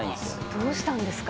どうしたんですか？